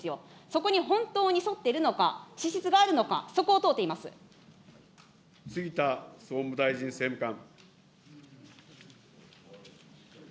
そこに本当に沿っているのか、資質があるのか、そこを問うていま杉田総務大臣政務官。